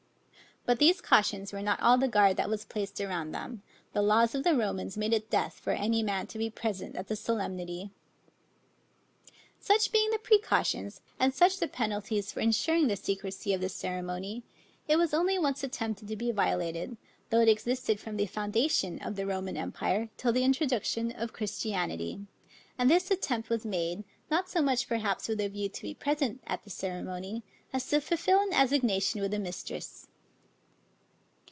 But these cautions were not all the guard that was placed around them; The laws of the Romans made it death for any man to be present at the solemnity. Such being the precautions, and such the penalties for insuring the secrecy of this ceremony, it was only once attempted to be violated, though it existed from the foundation of the Roman empire till the introduction of Christianity; and this attempt was made, not so much perhaps with a view to be present at the ceremony, as to fulfil an assignation with a mistress.